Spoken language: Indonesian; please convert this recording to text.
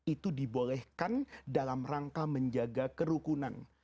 itu dibolehkan dalam rangka menjaga kerukunan